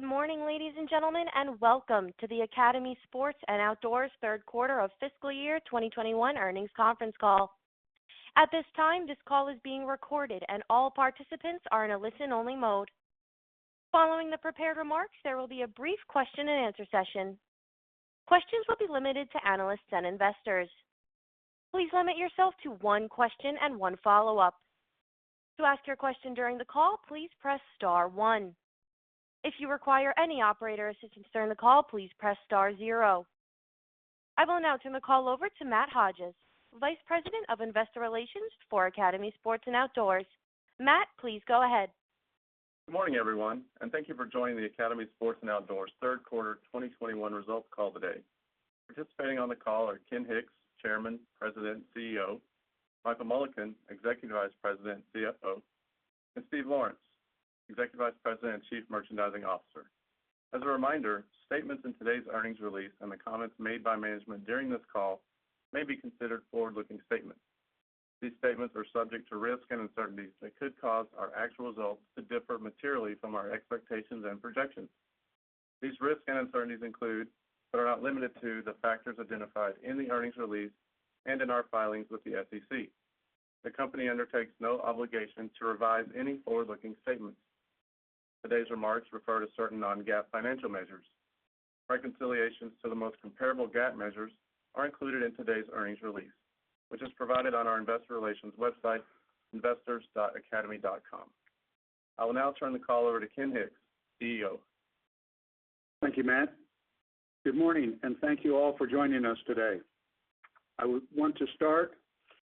Good morning, ladies and gentlemen, and welcome to the Academy Sports and Outdoors third quarter of fiscal year 2021 earnings conference call. At this time, this call is being recorded and all participants are in a listen-only mode. Following the prepared remarks, there will be a brief question-and-answer session. Questions will be limited to analysts and investors. Please limit yourself to one question and one follow-up. To ask your question during the call, please press star one. If you require any operator assistance during the call, please press star zero. I will now turn the call over to Matt Hodges, Vice President of Investor Relations for Academy Sports and Outdoors. Matt, please go ahead. Good morning, everyone, and thank you for joining the Academy Sports and Outdoors third quarter 2021 results call today. Participating on the call are Ken Hicks, Chairman, President, CEO; Michael Mullican, Executive Vice President, CFO; and Steve Lawrence, Executive Vice President and Chief Merchandising Officer. As a reminder, statements in today's earnings release and the comments made by management during this call may be considered forward-looking statements. These statements are subject to risks and uncertainties that could cause our actual results to differ materially from our expectations and projections. These risks and uncertainties include, but are not limited to, the factors identified in the earnings release and in our filings with the SEC. The company undertakes no obligation to revise any forward-looking statements. Today's remarks refer to certain non-GAAP financial measures. Reconciliations to the most comparable GAAP measures are included in today's earnings release, which is provided on our investor relations website, investors.academy.com. I will now turn the call over to Ken Hicks, CEO. Thank you, Matt. Good morning, and thank you all for joining us today. I would want to start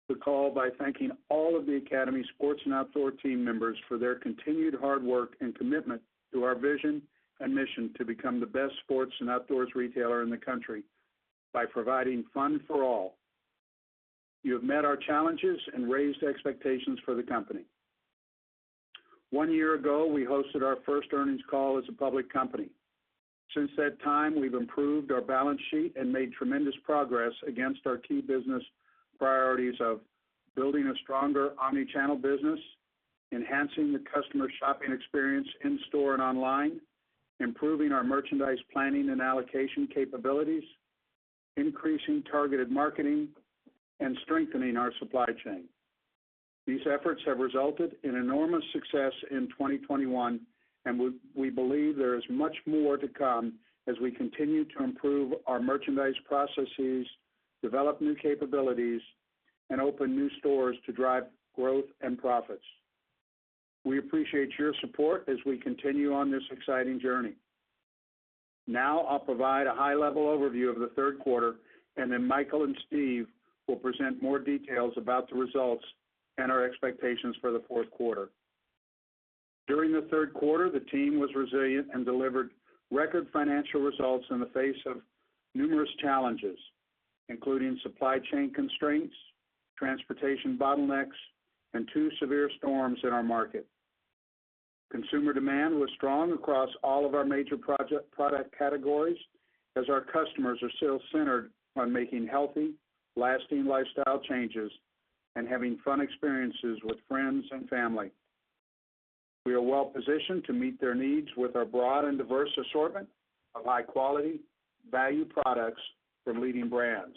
the call by thanking all of the Academy Sports and Outdoors team members for their continued hard work and commitment to our vision and mission to become the best sports and outdoors retailer in the country by providing fun for all. You have met our challenges and raised expectations for the company. One year ago, we hosted our first earnings call as a public company. Since that time, we've improved our balance sheet and made tremendous progress against our key business priorities of building a stronger omni-channel business, enhancing the customer shopping experience in-store and online, improving our merchandise planning and allocation capabilities, increasing targeted marketing, and strengthening our supply chain. These efforts have resulted in enormous success in 2021, and we believe there is much more to come as we continue to improve our merchandise processes, develop new capabilities, and open new stores to drive growth and profits. We appreciate your support as we continue on this exciting journey. Now, I'll provide a high-level overview of the third quarter, and then Michael and Steve will present more details about the results and our expectations for the fourth quarter. During the third quarter, the team was resilient and delivered record financial results in the face of numerous challenges, including supply chain constraints, transportation bottlenecks, and two severe storms in our market. Consumer demand was strong across all of our major product categories as our customers are still centered on making healthy, lasting lifestyle changes and having fun experiences with friends and family. We are well-positioned to meet their needs with our broad and diverse assortment of high-quality value products from leading brands.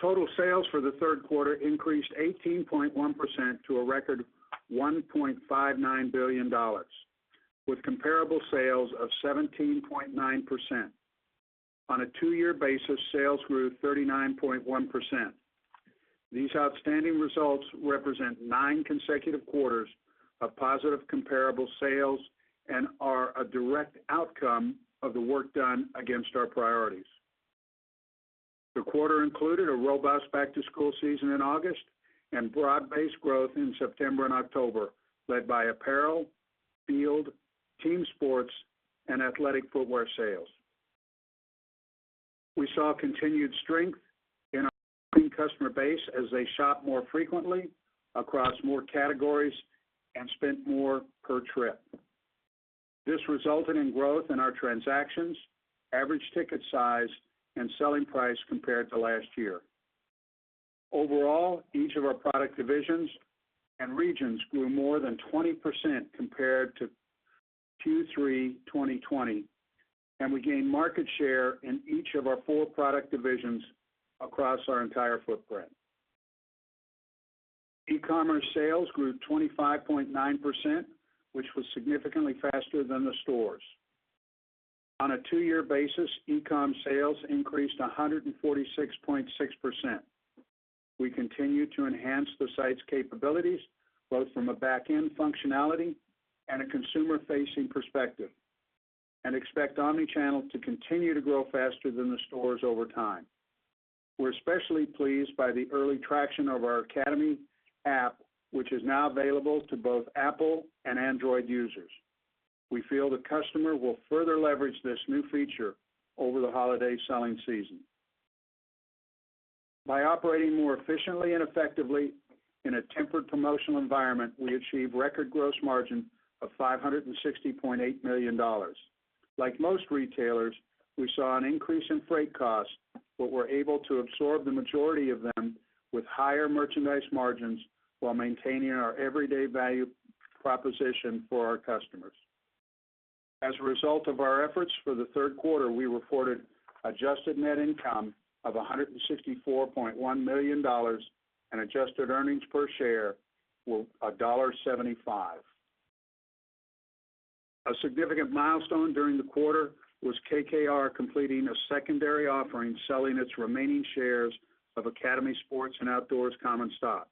Total sales for the third quarter increased 18.1% to a record $1.59 billion, with comparable sales of 17.9%. On a two-year basis, sales grew 39.1%. These outstanding results represent nine consecutive quarters of positive comparable sales and are a direct outcome of the work done against our priorities. The quarter included a robust back-to-school season in August and broad-based growth in September and October, led by apparel, field, team sports, and athletic footwear sales. We saw continued strength in our growing customer base as they shopped more frequently across more categories and spent more per trip. This resulted in growth in our transactions, average ticket size, and selling price compared to last year. Overall, each of our product divisions and regions grew more than 20% compared to Q3 2020, and we gained market share in each of our four product divisions across our entire footprint. E-commerce sales grew 25.9%, which was significantly faster than the stores. On a two-year basis, e-com sales increased 146.6%. We continue to enhance the site's capabilities, both from a back-end functionality and a consumer-facing perspective, and expect omni-channel to continue to grow faster than the stores over time. We're especially pleased by the early traction of our Academy app, which is now available to both Apple and Android users. We feel the customer will further leverage this new feature over the holiday selling season. By operating more efficiently and effectively in a tempered promotional environment, we achieved record gross profit of $560.8 million. Like most retailers, we saw an increase in freight costs, but we're able to absorb the majority of them with higher merchandise margins while maintaining our everyday value proposition for our customers. As a result of our efforts for the third quarter, we reported adjusted net income of $164.1 million and adjusted earnings per share of $1.75. A significant milestone during the quarter was KKR completing a secondary offering, selling its remaining shares of Academy Sports and Outdoors common stock.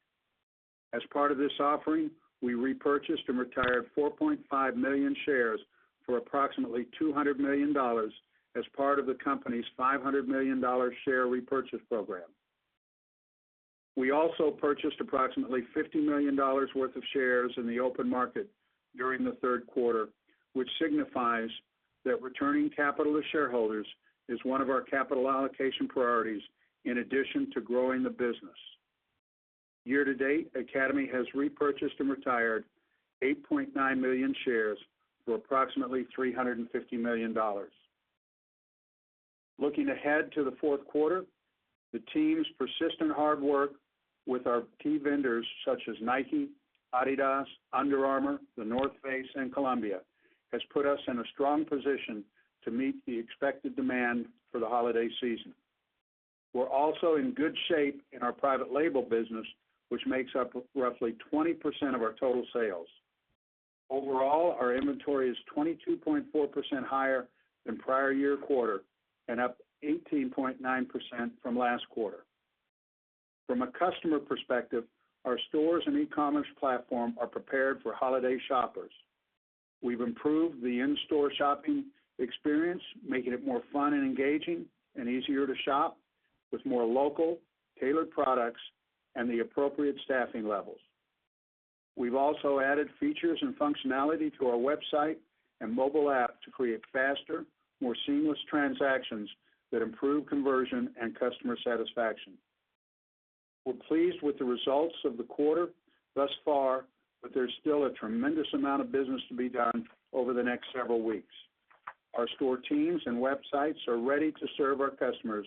As part of this offering, we repurchased and retired 4.5 million shares for approximately $200 million as part of the company's $500 million share repurchase program. We also purchased approximately $50 million worth of shares in the open market during the third quarter, which signifies that returning capital to shareholders is one of our capital allocation priorities in addition to growing the business. Year to date, Academy has repurchased and retired 8.9 million shares for approximately $350 million. Looking ahead to the fourth quarter, the team's persistent hard work with our key vendors such as Nike, adidas, Under Armour, The North Face, and Columbia has put us in a strong position to meet the expected demand for the holiday season. We're also in good shape in our private label business, which makes up roughly 20% of our total sales. Overall, our inventory is 22.4% higher than prior year quarter and up 18.9% from last quarter. From a customer perspective, our stores and e-commerce platform are prepared for holiday shoppers. We've improved the in-store shopping experience, making it more fun and engaging and easier to shop with more local tailored products and the appropriate staffing levels. We've also added features and functionality to our website and mobile app to create faster, more seamless transactions that improve conversion and customer satisfaction. We're pleased with the results of the quarter thus far, but there's still a tremendous amount of business to be done over the next several weeks. Our store teams and websites are ready to serve our customers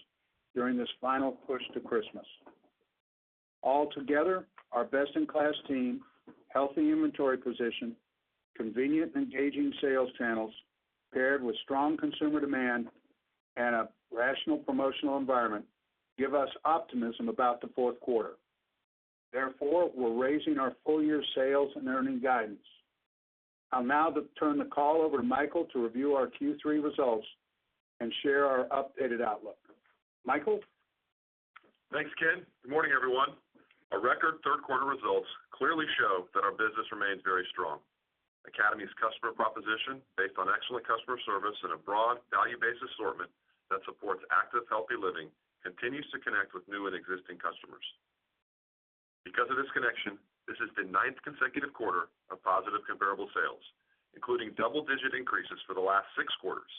during this final push to Christmas. Altogether, our best-in-class team, healthy inventory position, convenient engaging sales channels, paired with strong consumer demand and a rational promotional environment, give us optimism about the fourth quarter. Therefore, we're raising our full year sales and earnings guidance. I'll now turn the call over to Michael to review our Q3 results and share our updated outlook. Michael. Thanks, Ken. Good morning, everyone. Our record third quarter results clearly show that our business remains very strong. Academy's customer proposition, based on excellent customer service and a broad value-based assortment that supports active, healthy living, continues to connect with new and existing customers. Because of this connection, this is the ninth consecutive quarter of positive comparable sales, including double-digit increases for the last six quarters.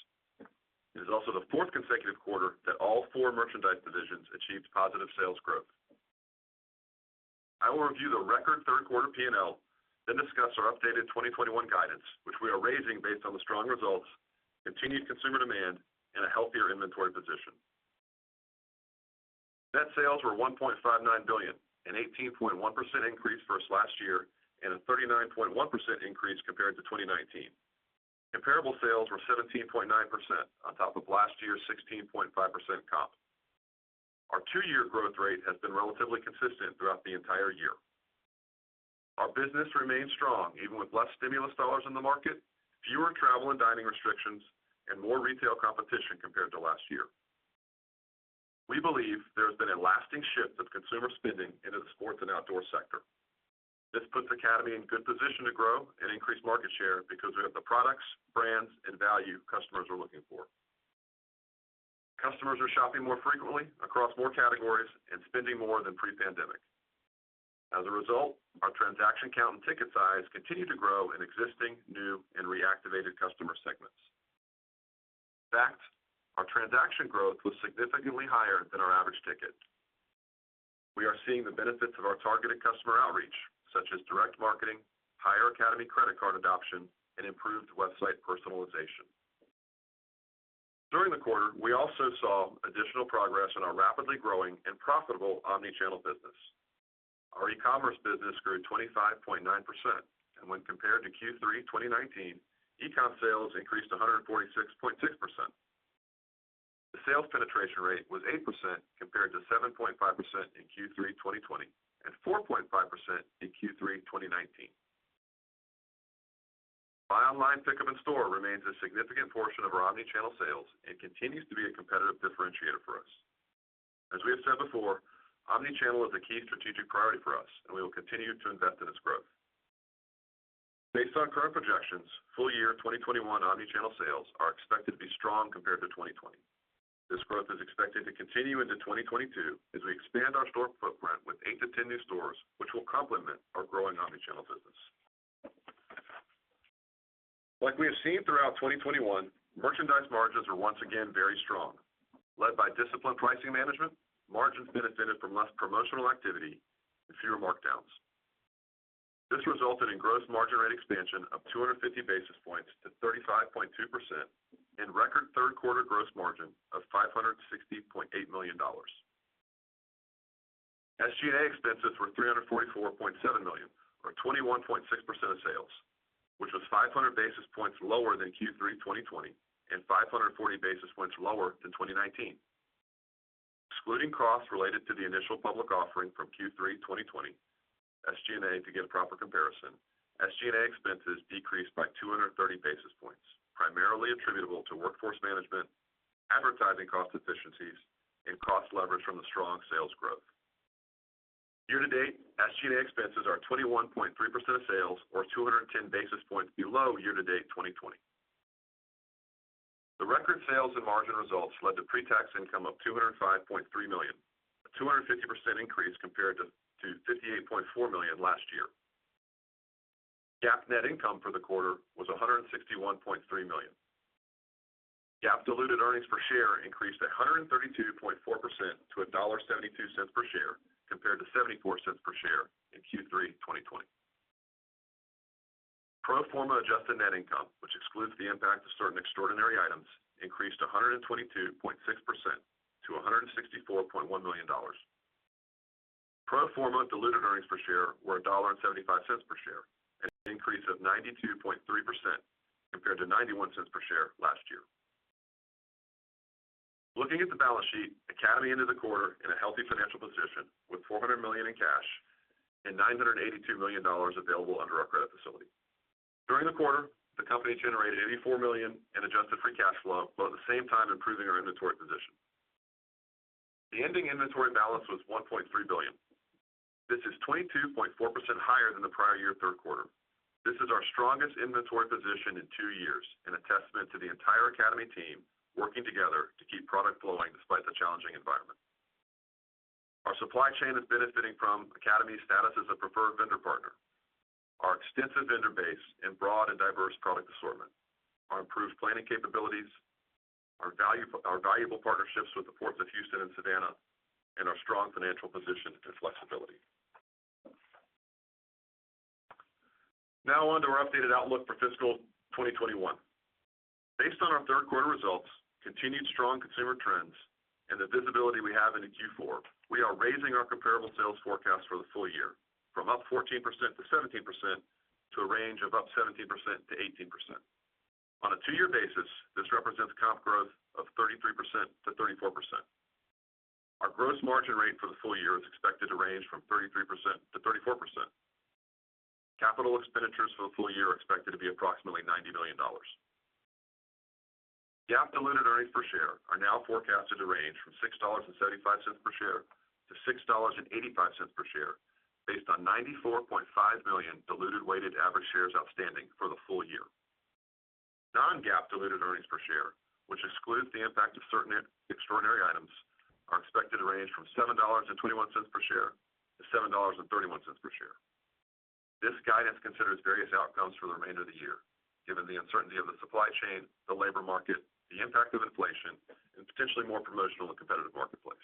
It is also the fourth consecutive quarter that all four merchandise divisions achieved positive sales growth. I will review the record third quarter P&L, then discuss our updated 2021 guidance, which we are raising based on the strong results, continued consumer demand, and a healthier inventory position. Net sales were $1.59 billion, an 18.1% increase versus last year, and a 39.1% increase compared to 2019. Comparable sales were 17.9% on top of last year's 16.5% comp. Our two-year growth rate has been relatively consistent throughout the entire year. Our business remains strong even with less stimulus dollars in the market, fewer travel and dining restrictions, and more retail competition compared to last year. We believe there's been a lasting shift of consumer spending into the sports and outdoor sector. This puts Academy in good position to grow and increase market share because we have the products, brands, and value customers are looking for. Customers are shopping more frequently across more categories and spending more than pre-pandemic. As a result, our transaction count and ticket size continue to grow in existing, new and reactivated customer segments. In fact, our transaction growth was significantly higher than our average ticket. We are seeing the benefits of our targeted customer outreach, such as direct marketing, higher Academy credit card adoption, and improved website personalization. During the quarter, we also saw additional progress in our rapidly growing and profitable omnichannel business. Our e-commerce business grew 25.9%, and when compared to Q3 2019, e-comms sales increased 146.6%. The sales penetration rate was 8% compared to 7.5% in Q3 2020, and 4.5% in Q3 2019. Buy online, pickup in store remains a significant portion of our omnichannel sales and continues to be a competitive differentiator for us. As we have said before, omnichannel is a key strategic priority for us, and we will continue to invest in its growth. Based on current projections, full year 2021 omnichannel sales are expected to be strong compared to 2020. This growth is expected to continue into 2022 as we expand our store footprint with 8-10 new stores, which will complement our growing omnichannel business. Like we have seen throughout 2021, merchandise margins are once again very strong. Led by disciplined pricing management, margins benefited from less promotional activity and fewer markdowns. This resulted in gross margin rate expansion of 250 basis points to 35.2% and record third quarter gross margin of $560.8 million. SG&A expenses were $344.7 million or 21.6% of sales, which was 500 basis points lower than Q3 2020 and 540 basis points lower than 2019. Excluding costs related to the initial public offering from Q3 2020 SG&A to get a proper comparison, SG&A expenses decreased by 230 basis points, primarily attributable to workforce management, advertising cost efficiencies and cost leverage from the strong sales growth. Year to date, SG&A expenses are 21.3% of sales or 210 basis points below year to date 2020. The record sales and margin results led to pre-tax income of $205.3 million, a 250% increase compared to $58.4 million last year. GAAP net income for the quarter was $161.3 million. GAAP diluted earnings per share increased 132.4% to $1.72 per share, compared to 74 cents per share in Q3 2020. Pro forma adjusted net income, which excludes the impact of certain extraordinary items, increased 122.6% to $164.1 million. Pro forma diluted earnings per share were $1.75 per share, an increase of 92.3% compared to $0.91 per share last year. Looking at the balance sheet, Academy ended the quarter in a healthy financial position with $400 million in cash and $982 million available under our credit facility. During the quarter, the company generated $84 million in adjusted free cash flow, while at the same time improving our inventory position. The ending inventory balance was $1.3 billion. This is 22.4% higher than the prior year third quarter. This is our strongest inventory position in two years and a testament to the entire Academy team working together to keep product flowing despite the challenging environment. Our supply chain is benefiting from Academy's status as a preferred vendor partner, our extensive vendor base and broad and diverse product assortment, our improved planning capabilities, our valuable partnerships with the Ports of Houston and Savannah, and our strong financial position and flexibility. Now on to our updated outlook for fiscal 2021. Based on our third quarter results, continued strong consumer trends, and the visibility we have into Q4, we are raising our comparable sales forecast for the full year from up 14% to 17% to a range of up 17%-18%. On a two-year basis, this represents comp growth of 33%-34%. Our gross margin rate for the full year is expected to range from 33%-34%. Capital expenditures for the full year are expected to be approximately $90 million. GAAP diluted earnings per share are now forecasted to range from $6.75-$6.85 per share based on 94.5 million diluted weighted average shares outstanding for the full year. Non-GAAP diluted earnings per share, which excludes the impact of certain extraordinary items, are expected to range from $7.21-$7.31 per share. This guidance considers various outcomes for the remainder of the year, given the uncertainty of the supply chain, the labor market, the impact of inflation, and potentially more promotional and competitive marketplace.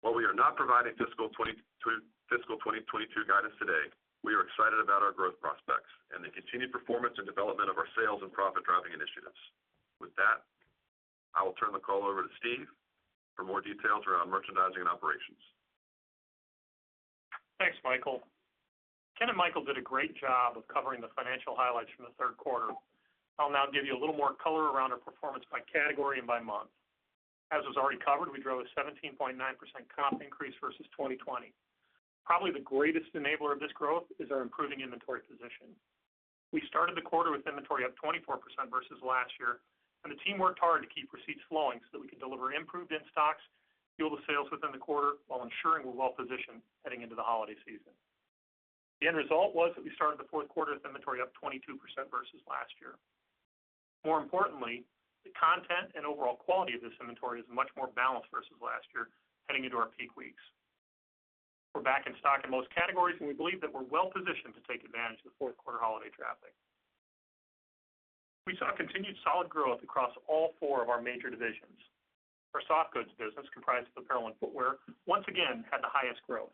While we are not providing fiscal 2022 guidance today, we are excited about our growth prospects and the continued performance and development of our sales and profit-driving initiatives. With that, I will turn the call over to Steve Lawrence for more details around merchandising and operations. Thanks, Michael. Ken and Michael did a great job of covering the financial highlights from the third quarter. I'll now give you a little more color around our performance by category and by month. As was already covered, we drove a 17.9% comp increase versus 2020. Probably the greatest enabler of this growth is our improving inventory position. We started the quarter with inventory up 24% versus last year, and the team worked hard to keep receipts flowing so that we could deliver improved in-stocks, fuel the sales within the quarter while ensuring we're well positioned heading into the holiday season. The end result was that we started the fourth quarter with inventory up 22% versus last year. More importantly, the content and overall quality of this inventory is much more balanced versus last year, heading into our peak weeks. We're back in stock in most categories, and we believe that we're well-positioned to take advantage of the fourth quarter holiday traffic. We saw continued solid growth across all four of our major divisions. Our soft goods business, comprised of apparel and footwear, once again had the highest growth.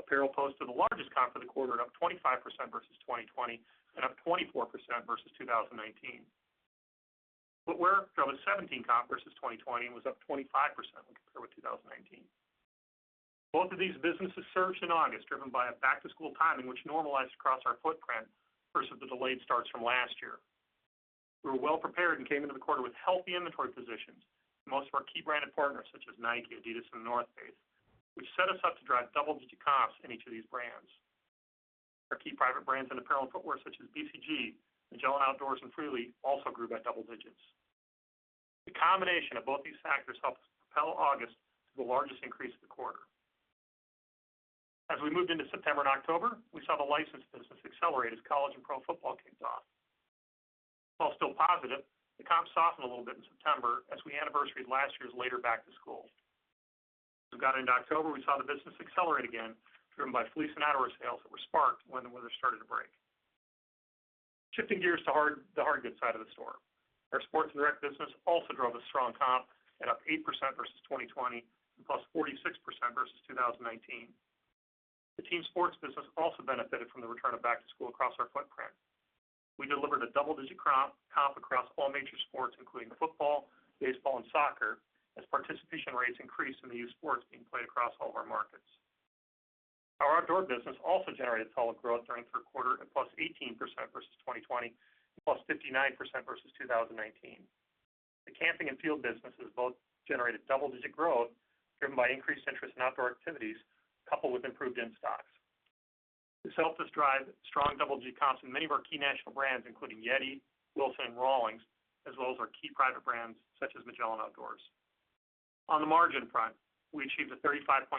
Apparel posted the largest comp for the quarter at up 25% versus 2020 and up 24% versus 2019. Footwear drove a 17 comp versus 2020 and was up 25% when compared with 2019. Both of these businesses surged in August, driven by a back-to-school timing which normalized across our footprint versus the delayed starts from last year. We were well prepared and came into the quarter with healthy inventory positions. Most of our key branded partners, such as Nike, adidas, and The North Face, which set us up to drive double-digit comps in each of these brands. Our key private brands in apparel and footwear, such as BCG, Magellan Outdoors, and Freely, also grew by double digits. The combination of both these factors helped propel August to the largest increase of the quarter. As we moved into September and October, we saw the licensed business accelerate as college and pro football kicked off. While still positive, the comps softened a little bit in September as we anniversaried last year's later back to school. As we got into October, we saw the business accelerate again, driven by fleece and outdoor sales that were sparked when the weather started to break. Shifting gears to hard, the hard goods side of the store. Our sports and rec business also drove a strong comp at up 8% versus 2020 and +46% versus 2019. The team sports business also benefited from the return of back to school across our footprint. We delivered a double-digit comp across all major sports, including football, baseball, and soccer, as participation rates increased in the youth sports being played across all of our markets. Our outdoor business also generated solid growth during the third quarter at +18% versus 2020 and +59% versus 2019. The camping and field businesses both generated double-digit growth, driven by increased interest in outdoor activities, coupled with improved in-stocks. This helped us drive strong double-digit comps in many of our key national brands, including YETI, Wilson, and Rawlings, as well as our key private brands such as Magellan Outdoors. On the margin front, we achieved a 35.2%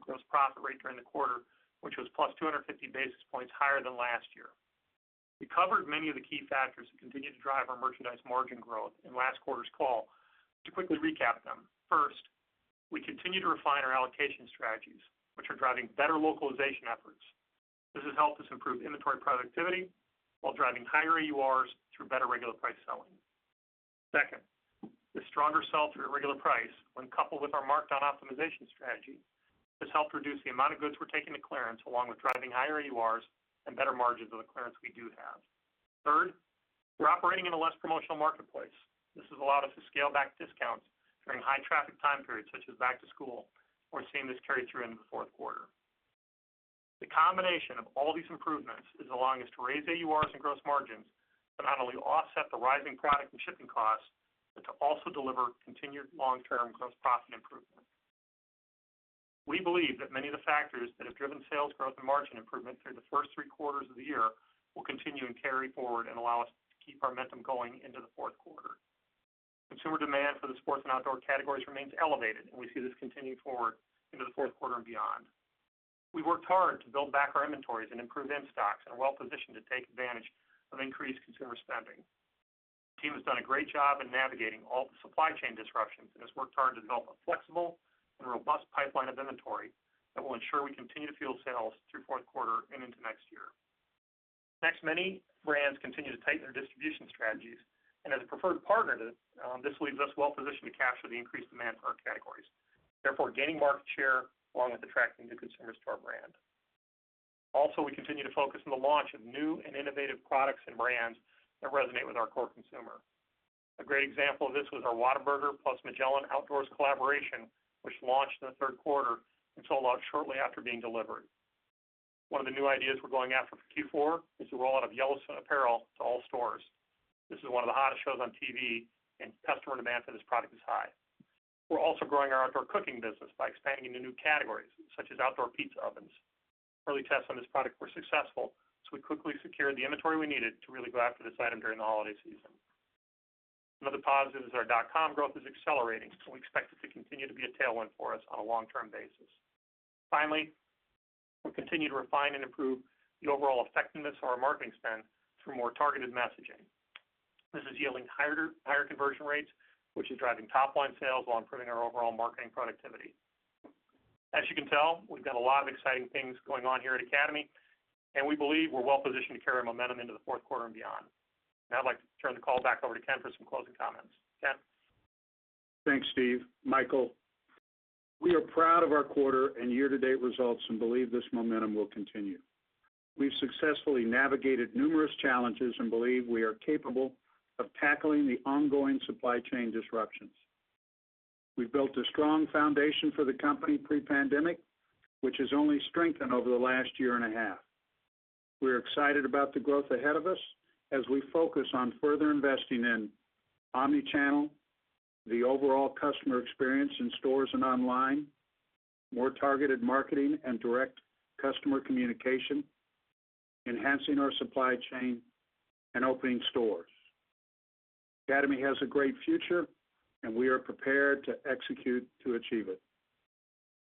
gross profit rate during the quarter, which was +250 basis points higher than last year. We covered many of the key factors that continue to drive our merchandise margin growth in last quarter's call to quickly recap them. First, we continue to refine our allocation strategies, which are driving better localization efforts. This has helped us improve inventory productivity while driving higher AURs through better regular price selling. Second, the stronger sell through regular price when coupled with our markdown optimization strategy, has helped reduce the amount of goods we're taking to clearance, along with driving higher AURs and better margins on the clearance we do have. Third, we're operating in a less promotional marketplace. This has allowed us to scale back discounts during high traffic time periods such as back to school. We're seeing this carry through into the fourth quarter. The combination of all these improvements is allowing us to raise AURs and gross margins to not only offset the rising product and shipping costs, but to also deliver continued long-term gross profit improvement. We believe that many of the factors that have driven sales growth and margin improvement through the first three quarters of the year will continue and carry forward and allow us to keep our momentum going into the fourth quarter. Consumer demand for the sports and outdoor categories remains elevated, and we see this continuing forward into the fourth quarter and beyond. We worked hard to build back our inventories and improve in-stocks and are well-positioned to take advantage of increased consumer spending. Our team has done a great job in navigating all the supply chain disruptions and has worked hard to develop a flexible and robust pipeline of inventory that will ensure we continue to fuel sales through fourth quarter and into next year. Next, many brands continue to tighten their distribution strategies. As a preferred partner to, this leaves us well positioned to capture the increased demand for our categories, therefore gaining market share along with attracting new consumers to our brand. Also, we continue to focus on the launch of new and innovative products and brands that resonate with our core consumer. A great example of this was our Whataburger plus Magellan Outdoors collaboration, which launched in the third quarter and sold out shortly after being delivered. One of the new ideas we're going after for Q4 is the rollout of Yellowstone apparel to all stores. This is one of the hottest shows on TV, and customer demand for this product is high. We're also growing our outdoor cooking business by expanding into new categories such as outdoor pizza ovens. Early tests on this product were successful, so we quickly secured the inventory we needed to really go after this item during the holiday season. Some of the positives are dot-com growth is accelerating, so we expect it to continue to be a tailwind for us on a long-term basis. Finally, we continue to refine and improve the overall effectiveness of our marketing spend through more targeted messaging. This is yielding higher conversion rates, which is driving top line sales while improving our overall marketing productivity. As you can tell, we've got a lot of exciting things going on here at Academy, and we believe we're well positioned to carry momentum into the fourth quarter and beyond. Now I'd like to turn the call back over to Ken for some closing comments. Ken? Thanks, Steve. Michael, we are proud of our quarter and year-to-date results and believe this momentum will continue. We've successfully navigated numerous challenges and believe we are capable of tackling the ongoing supply chain disruptions. We've built a strong foundation for the company pre-pandemic, which has only strengthened over the last year and a half. We're excited about the growth ahead of us as we focus on further investing in omni-channel, the overall customer experience in stores and online, more targeted marketing and direct customer communication, enhancing our supply chain, and opening stores. Academy has a great future, and we are prepared to execute to achieve it.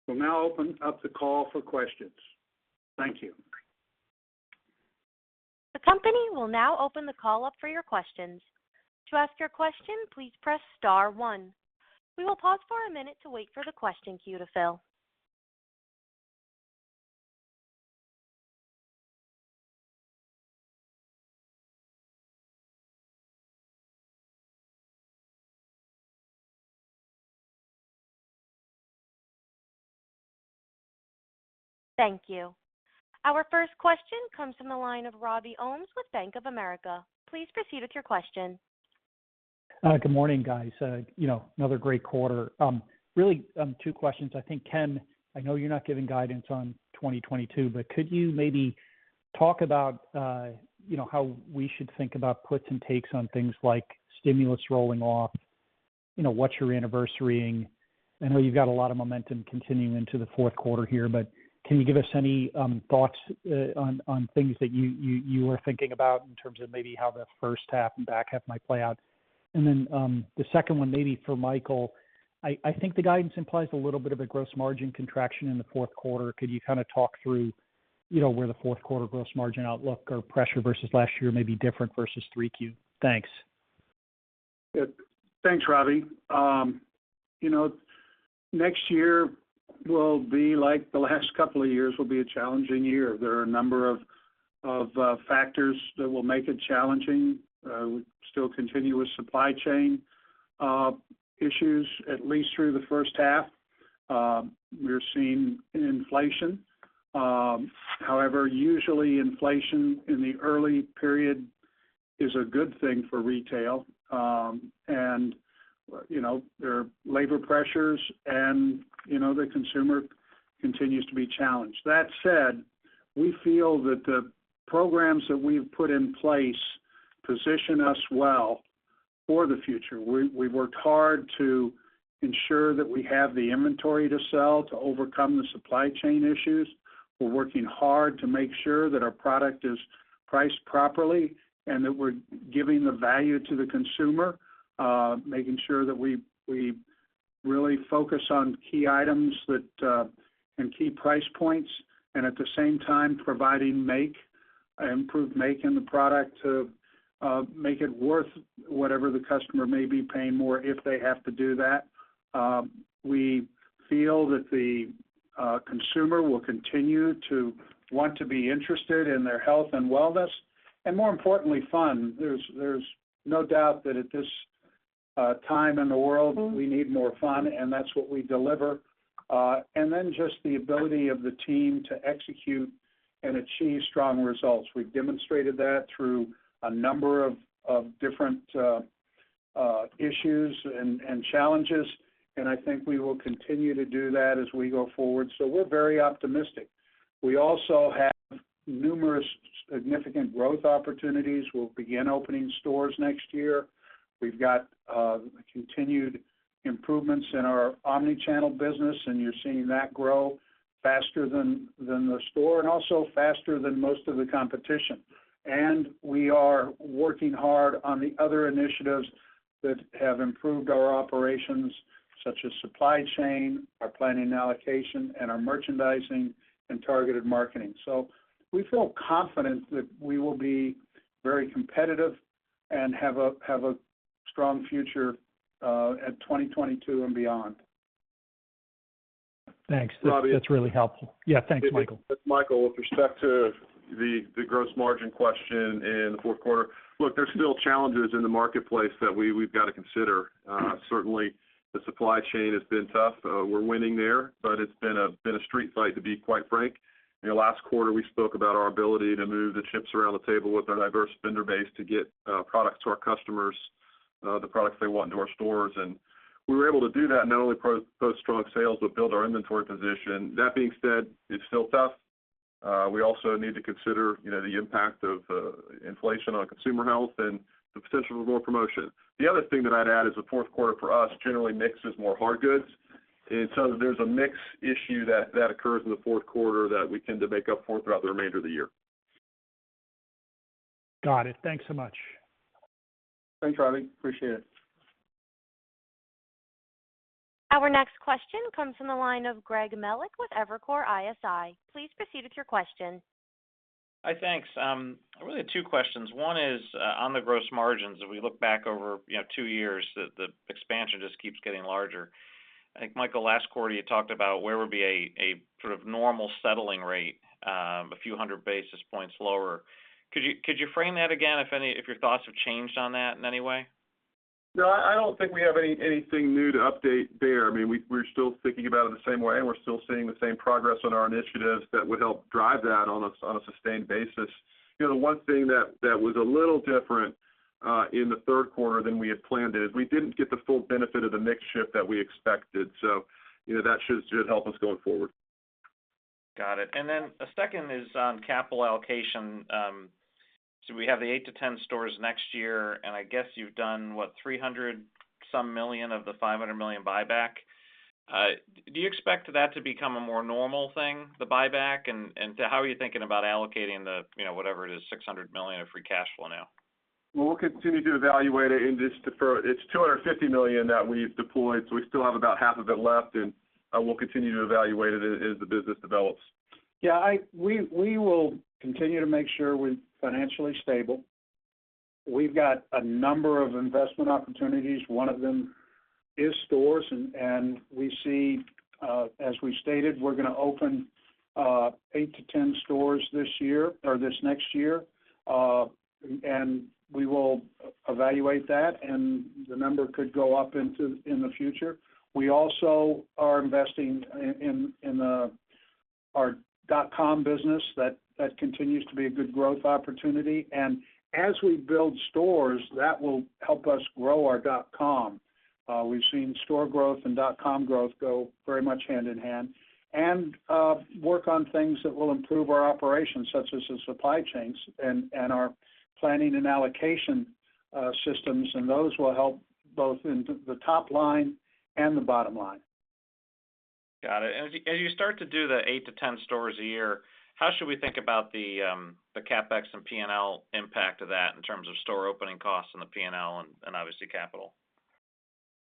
We'll now open up the call for questions. Thank you. The company will now open the call up for your questions. To ask your question, please press star one. We will pause for a minute to wait for the question queue to fill. Thank you. Our first question comes from the line of Robert Ohmes with Bank of America. Please proceed with your question. Good morning, guys. You know, another great quarter. Really, two questions. I think, Ken, I know you're not giving guidance on 2022, but could you maybe talk about, you know, how we should think about puts and takes on things like stimulus rolling off? You know, what's your anniversarying? I know you've got a lot of momentum continuing into the fourth quarter here, but can you give us any thoughts on things that you are thinking about in terms of maybe how the first half and back half might play out? Then, the second one maybe for Michael. I think the guidance implies a little bit of a gross margin contraction in the fourth quarter. Could you kind of talk through, you know, where the fourth quarter gross margin outlook or pressure versus last year may be different versus 3Q? Thanks. Yeah. Thanks, Robbie. You know, next year will be like the last couple of years, will be a challenging year. There are a number of factors that will make it challenging. We still continue with supply chain issues at least through the first half. We're seeing inflation. However, usually inflation in the early period is a good thing for retail. You know, there are labor pressures and, you know, the consumer continues to be challenged. That said, we feel that the programs that we've put in place position us well for the future. We worked hard to ensure that we have the inventory to sell to overcome the supply chain issues. We're working hard to make sure that our product is priced properly and that we're giving the value to the consumer, making sure that we really focus on key items and key price points, and at the same time, providing improved make in the product to make it worth whatever the customer may be paying more if they have to do that. We feel that the consumer will continue to want to be interested in their health and wellness, and more importantly, fun. There's no doubt that at this time in the world, we need more fun, and that's what we deliver. Then just the ability of the team to execute and achieve strong results. We've demonstrated that through a number of different issues and challenges, and I think we will continue to do that as we go forward. We're very optimistic. We also have numerous significant growth opportunities. We'll begin opening stores next year. We've got continued improvements in our omni-channel business, and you're seeing that grow faster than the store and also faster than most of the competition. We are working hard on the other initiatives that have improved our operations, such as supply chain, our planning and allocation, and our merchandising and targeted marketing. We feel confident that we will be very competitive and have a strong future at 2022 and beyond. Thanks. Robbie- That's really helpful. Yeah. Thanks, Michael. It's Michael. With respect to the gross margin question in the fourth quarter, look, there's still challenges in the marketplace that we've gotta consider. Certainly the supply chain has been tough. We're winning there, but it's been a street fight to be quite frank. You know, last quarter we spoke about our ability to move the chips around the table with our diverse vendor base to get products to our customers, the products they want into our stores. We were able to do that, not only post strong sales, but build our inventory position. That being said, it's still tough. We also need to consider, you know, the impact of inflation on consumer health and the potential for more promotion. The other thing that I'd add is the fourth quarter for us generally mixes more hard goods. There's a mix issue that occurs in the fourth quarter that we tend to make up for throughout the remainder of the year. Got it. Thanks so much. Thanks, Robbie. I appreciate it. Our next question comes from the line of Greg Melich with Evercore ISI. Please proceed with your question. Hi. Thanks. I really have two questions. One is on the gross margins, as we look back over, you know, two years, the expansion just keeps getting larger. I think Michael, last quarter you talked about where would be a sort of normal settling rate, a few hundred basis points lower. Could you frame that again if your thoughts have changed on that in any way? No, I don't think we have anything new to update there. I mean, we're still thinking about it the same way, and we're still seeing the same progress on our initiatives that would help drive that on a sustained basis. You know, the one thing that was a little different in the third quarter than we had planned is we didn't get the full benefit of the mix shift that we expected. You know, that should help us going forward. Got it. A second is on capital allocation. We have the 8-10 stores next year, and I guess you've done, what? $300-some million of the $500 million buyback. Do you expect that to become a more normal thing, the buyback? How are you thinking about allocating the, you know, whatever it is, $600 million of free cash flow now? Well, we'll continue to evaluate it and just defer. It's $250 million that we've deployed, so we still have about half of it left, and we'll continue to evaluate it as the business develops. Yeah, we will continue to make sure we're financially stable. We've got a number of investment opportunities. One of them is stores and we see, as we stated, we're gonna open 8-10 stores this year or this next year. We will evaluate that, and the number could go up in the future. We also are investing in our dot-com business. That continues to be a good growth opportunity. As we build stores, that will help us grow our dot-com. We've seen store growth and dot-com growth go very much hand in hand. Work on things that will improve our operations, such as the supply chains and our planning and allocation systems, and those will help both in the top line and the bottom line. Got it. As you start to do the 8-10 stores a year, how should we think about the CapEx and P&L impact of that in terms of store opening costs and the P&L, and obviously capital?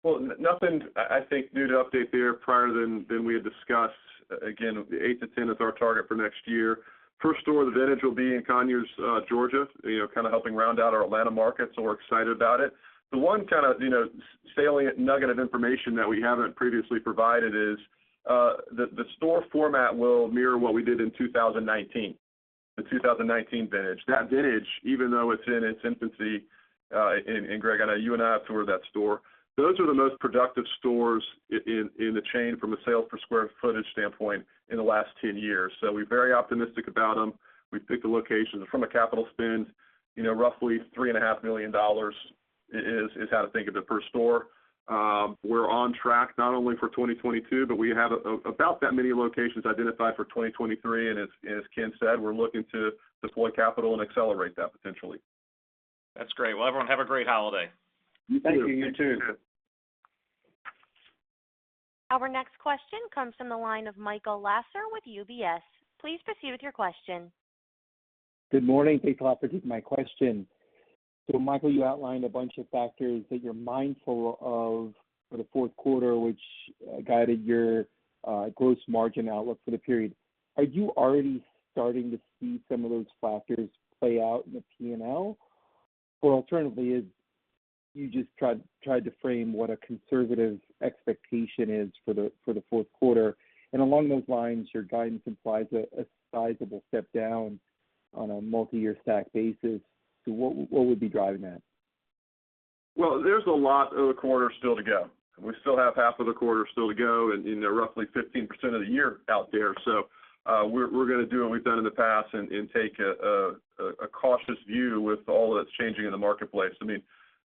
Well, nothing. I think nothing new to update there prior to what we had discussed. Again, the 8-10 is our target for next year. First store, the vintage will be in Conyers, Georgia, you know, kinda helping round out our Atlanta market, so we're excited about it. The one kinda, you know, salient nugget of information that we haven't previously provided is, the store format will mirror what we did in 2019, the 2019 vintage. That vintage, even though it's in its infancy, and Greg, I know you and I have toured that store, those are the most productive stores in the chain from a sales per square footage standpoint in the last 10 years. So we're very optimistic about them. We've picked the locations. From a capital spend, you know, roughly $3.5 million is how to think of the first store. We're on track not only for 2022, but we have about that many locations identified for 2023. As Ken said, we're looking to deploy capital and accelerate that potentially. That's great. Well, everyone, have a great holiday. You too. Thank you too. Our next question comes from the line of Michael Lasser with UBS. Please proceed with your question. Good morning. Thanks a lot for taking my question. Michael, you outlined a bunch of factors that you're mindful of for the fourth quarter, which guided your gross margin outlook for the period. Are you already starting to see some of those factors play out in the P&L? Or alternatively, you just tried to frame what a conservative expectation is for the fourth quarter. Along those lines, your guidance implies a sizable step down on a multi-year stack basis. What would be driving that? Well, there's a lot of the quarter still to go. We still have half of the quarter still to go and, you know, roughly 15% of the year out there. We're gonna do what we've done in the past and take a cautious view with all that's changing in the marketplace. I mean,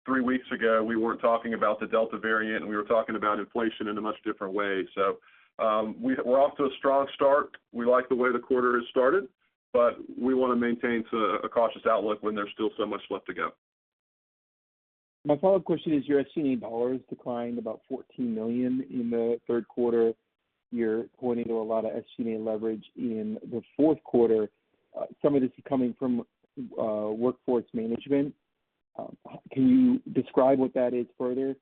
three weeks ago, we weren't talking about the Delta variant, and we were talking about inflation in a much different way. We're off to a strong start. We like the way the quarter has started, but we wanna maintain a cautious outlook when there's still so much left to go. My follow-up question is your SG&A dollars declined about $14 million in the third quarter. You're pointing to a lot of SG&A leverage in the fourth quarter. Some of this is coming from, workforce management. Can you describe what that is further?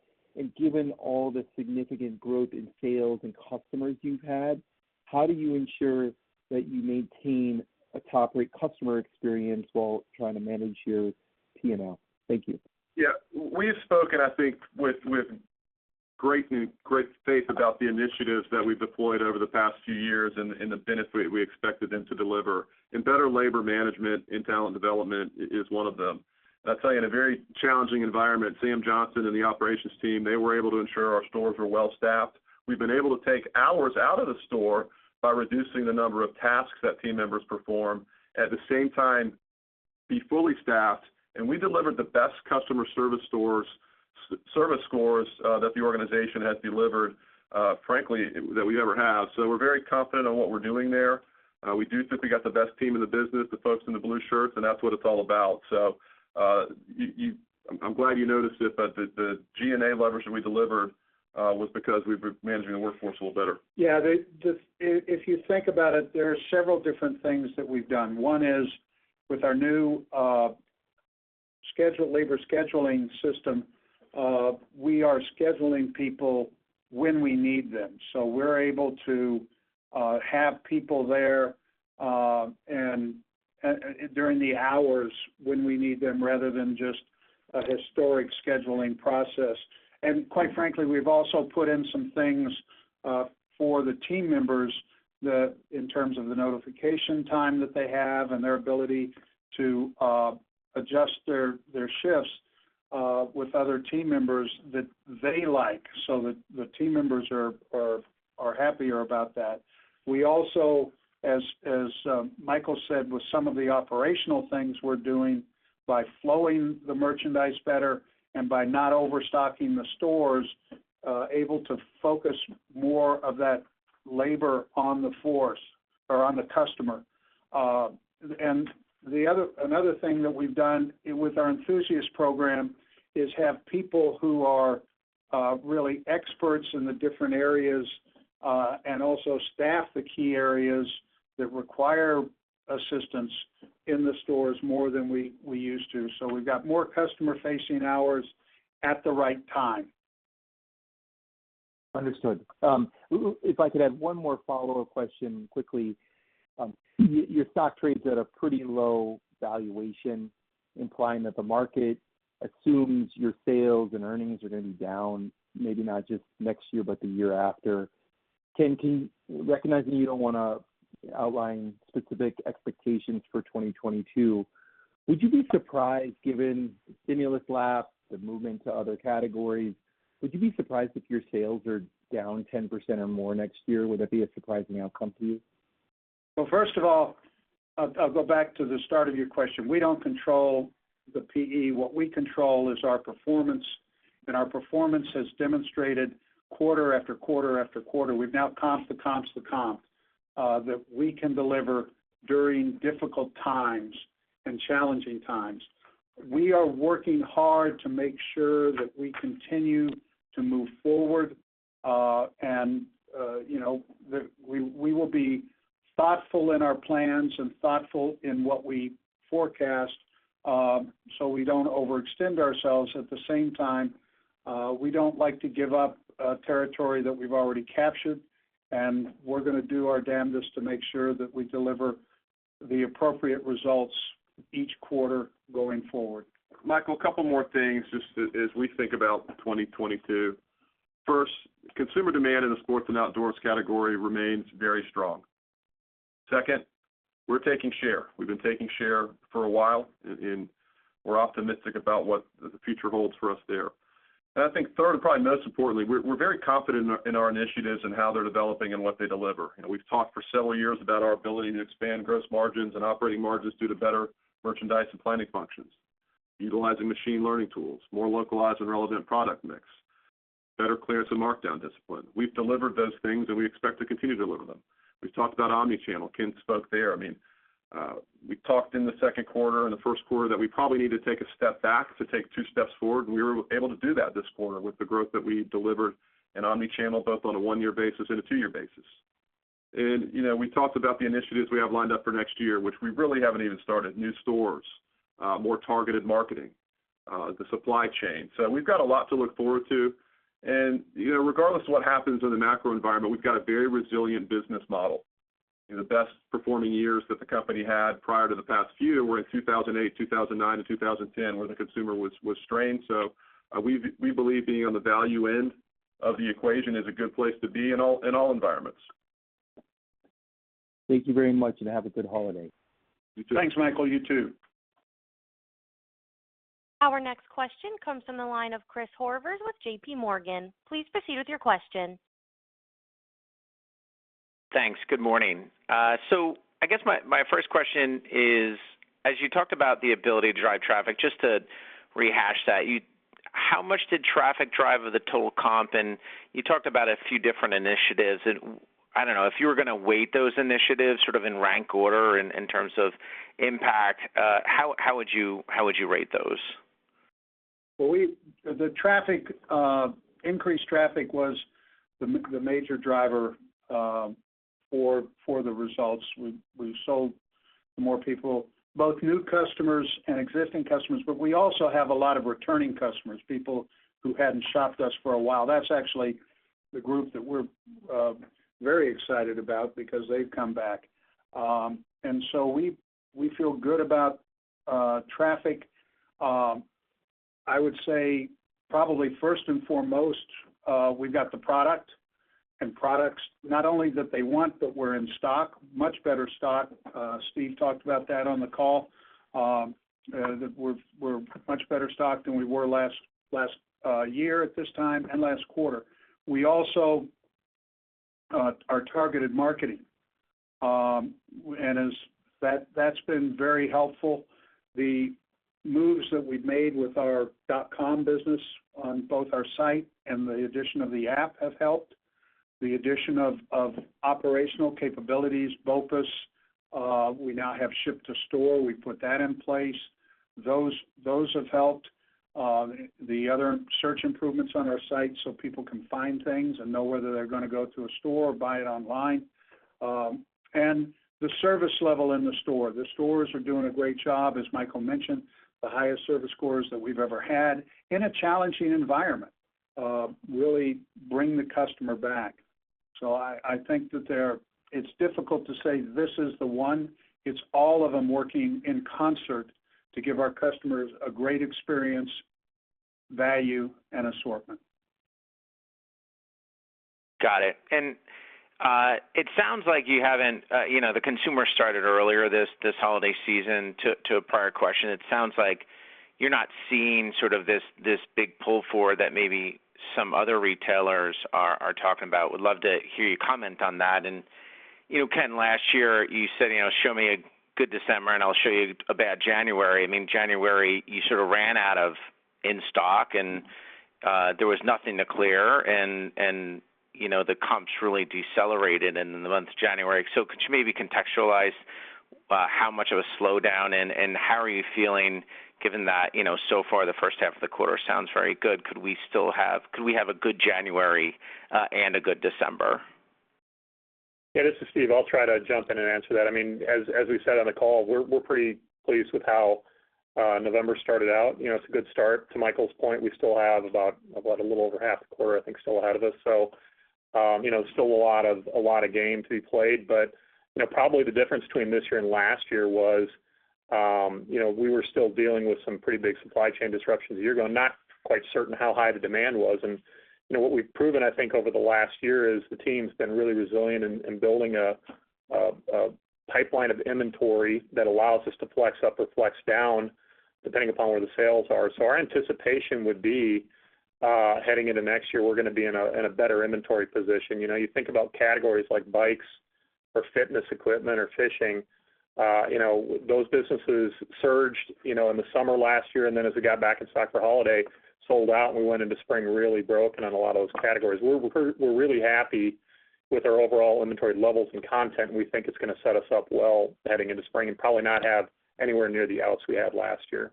Given all the significant growth in sales and customers you've had, how do you ensure that you maintain a top-rate customer experience while trying to manage your P&L? Thank you. Yeah. We've spoken, I think, with great faith about the initiatives that we've deployed over the past few years and the benefit we expected them to deliver. Better labor management and talent development is one of them. I'll tell you, in a very challenging environment, Sam Johnson and the operations team, they were able to ensure our stores were well-staffed. We've been able to take hours out of the store by reducing the number of tasks that team members perform, at the same time be fully staffed. We delivered the best customer service scores that the organization has delivered, frankly, that we ever have. We're very confident on what we're doing there. We do think we got the best team in the business, the folks in the blue shirts, and that's what it's all about. I'm glad you noticed it, but the SG&A leverage that we delivered was because we've been managing the workforce a little better. Yeah. If you think about it, there are several different things that we've done. One is with our new labor scheduling system, we are scheduling people when we need them. We're able to have people there and during the hours when we need them rather than just a historic scheduling process. Quite frankly, we've also put in some things for the team members that, in terms of the notification time that they have and their ability to adjust their shifts with other team members that they like so that the team members are happier about that. We also, as Michael said, with some of the operational things we're doing, by flowing the merchandise better and by not overstocking the stores, able to focus more of that labor on the floor or on the customer. Another thing that we've done with our enthusiast program is have people who are really experts in the different areas and also staff the key areas that require assistance in the stores more than we used to. We've got more customer-facing hours at the right time. Understood. If I could add one more follow-up question quickly. Your stock trades at a pretty low valuation, implying that the market assumes your sales and earnings are gonna be down, maybe not just next year, but the year after. Recognizing that you don't wanna outline specific expectations for 2022, would you be surprised, given the stimulus lapse, the movement to other categories, would you be surprised if your sales are down 10% or more next year? Would that be a surprising outcome to you? Well, first of all, I'll go back to the start of your question. We don't control the PE. What we control is our performance, and our performance has demonstrated quarter after quarter after quarter, we've now comped the comp that we can deliver during difficult times and challenging times. We are working hard to make sure that we continue to move forward, and you know, we will be thoughtful in our plans and thoughtful in what we forecast, so we don't overextend ourselves. At the same time, we don't like to give up territory that we've already captured, and we're gonna do our damnedest to make sure that we deliver the appropriate results each quarter going forward. Michael, a couple more things just as we think about 2022. First, consumer demand in the sports and outdoors category remains very strong. Second, we're taking share. We've been taking share for a while and we're optimistic about what the future holds for us there. I think third, and probably most importantly, we're very confident in our initiatives and how they're developing and what they deliver. You know, we've talked for several years about our ability to expand gross margins and operating margins due to better merchandise and planning functions, utilizing machine learning tools, more localized and relevant product mix, better clearance and markdown discipline. We've delivered those things, and we expect to continue to deliver them. We've talked about omni-channel. Ken spoke there. I mean, we talked in the second quarter and the first quarter that we probably need to take a step back to take two steps forward, and we were able to do that this quarter with the growth that we delivered in omni-channel, both on a one-year basis and a two-year basis. You know, we talked about the initiatives we have lined up for next year, which we really haven't even started, new stores, more targeted marketing, the supply chain. We've got a lot to look forward to. You know, regardless of what happens in the macro environment, we've got a very resilient business model. You know, the best performing years that the company had prior to the past few were in 2008, 2009, and 2010, where the consumer was strained. We believe being on the value end of the equation is a good place to be in all environments. Thank you very much, and have a good holiday. You too. Thanks, Michael. You too. Our next question comes from the line of Christopher Horvers with JPMorgan. Please proceed with your question. Thanks. Good morning. I guess my first question is, as you talked about the ability to drive traffic, just to rehash that, you how much did traffic drive of the total comp? You talked about a few different initiatives. I don't know, if you were gonna weight those initiatives sort of in rank order in terms of impact, how would you rate those? Well, the increased traffic was the major driver for the results. We saw more people, both new customers and existing customers, but we also have a lot of returning customers, people who hadn't shopped us for a while. That's actually the group that we're very excited about because they've come back. We feel good about traffic. I would say probably first and foremost, we've got the product and products not only that they want, but were in stock, much better stock. Steve talked about that on the call. That we're much better stocked than we were last year at this time and last quarter. We also have targeted marketing. That's been very helpful. The moves that we've made with our dot com business on both our site and the addition of the app have helped. The addition of operational capabilities, BOPUS, we now have Ship to Store. We put that in place. Those have helped. The other search improvements on our site so people can find things and know whether they're gonna go to a store or buy it online, and the service level in the store. The stores are doing a great job, as Michael mentioned, the highest service scores that we've ever had in a challenging environment, really bring the customer back. I think that it's difficult to say this is the one. It's all of them working in concert to give our customers a great experience, value and assortment. Got it. It sounds like you haven't, you know, the consumer started earlier this holiday season. To a prior question, it sounds like you're not seeing sort of this big pull forward that maybe some other retailers are talking about. Would love to hear you comment on that. You know, Ken, last year, you said, you know, "Show me a good December, and I'll show you a bad January." I mean, January, you sort of ran out of in-stock, and there was nothing to clear and, you know, the comps really decelerated in the month of January. Could you maybe contextualize how much of a slowdown and how are you feeling given that, you know, so far the first half of the quarter sounds very good. Could we have a good January and a good December? Yeah, this is Steve. I'll try to jump in and answer that. I mean, as we said on the call, we're pretty pleased with how November started out. You know, it's a good start. To Michael's point, we still have about a little over half the quarter, I think, still ahead of us. You know, still a lot of game to be played. You know, probably the difference between this year and last year was, you know, we were still dealing with some pretty big supply chain disruptions a year ago, not quite certain how high the demand was. You know, what we've proven, I think, over the last year is the team's been really resilient in building a pipeline of inventory that allows us to flex up or flex down depending upon where the sales are. Our anticipation would be heading into next year, we're gonna be in a better inventory position. You know, you think about categories like bikes or fitness equipment or fishing, you know, those businesses surged in the summer last year, and then as we got back in stock for holiday, sold out and we went into spring really broken on a lot of those categories. We're really happy with our overall inventory levels and content, and we think it's gonna set us up well heading into spring and probably not have anywhere near the outs we had last year.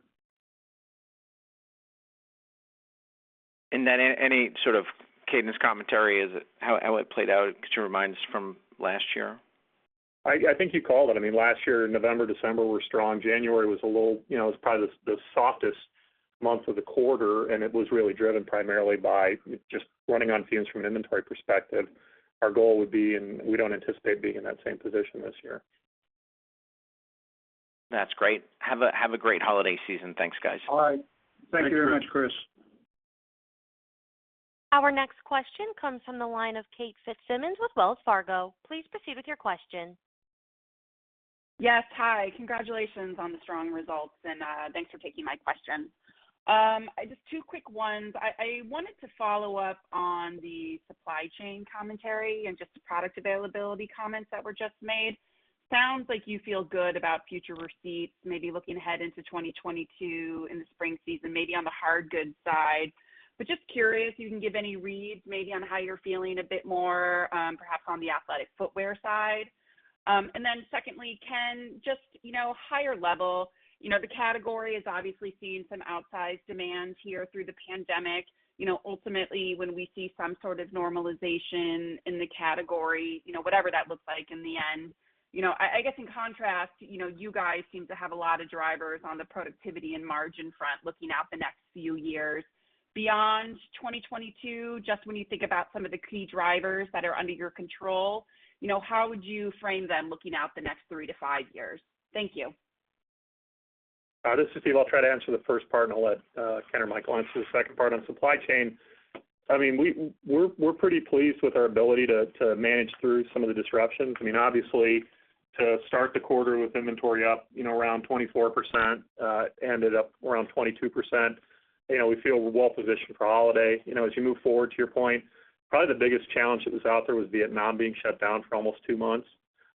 Any sort of cadence commentary, is it? How it played out, could you remind us from last year? I think you called it. I mean, last year, November, December were strong. January was a little, you know, it was probably the softest month of the quarter, and it was really driven primarily by just running on fumes from an inventory perspective. Our goal would be, and we don't anticipate being in that same position this year. That's great. Have a great holiday season. Thanks, guys. All right. Thank you very much, Chris. Our next question comes from the line of Kate Fitzsimmons with Wells Fargo. Please proceed with your question. Yes. Hi. Congratulations on the strong results, and thanks for taking my question. Just two quick ones. I wanted to follow up on the supply chain commentary and just the product availability comments that were just made. Sounds like you feel good about future receipts, maybe looking ahead into 2022 in the spring season, maybe on the hard goods side. Just curious if you can give any reads maybe on how you're feeling a bit more, perhaps on the athletic footwear side. And then secondly, Ken, just, you know, higher level, you know, the category has obviously seen some outsized demand here through the pandemic. You know, ultimately, when we see some sort of normalization in the category, you know, whatever that looks like in the end, you know, I guess in contrast, you know, you guys seem to have a lot of drivers on the productivity and margin front looking out the next few years. Beyond 2022, just when you think about some of the key drivers that are under your control, you know, how would you frame them looking out the next 3-5 years? Thank you. This is Steve. I'll try to answer the first part, and I'll let Ken or Mike answer the second part. On supply chain, I mean, we're pretty pleased with our ability to manage through some of the disruptions. I mean, obviously, to start the quarter with inventory up, you know, around 24%, ended up around 22%, you know, we feel we're well positioned for holiday. You know, as you move forward, to your point, probably the biggest challenge that was out there was Vietnam being shut down for almost two months.